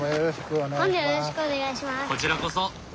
こちらこそ！